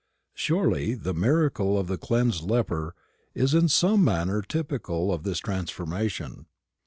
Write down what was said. Surely the miracle of the cleansed leper is in some manner typical of this transformation.